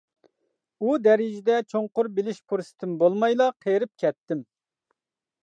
ئۇ دەرىجىدە چوڭقۇر بىلىش پۇرسىتىم بولمايلا قېرىپ كەتتىم.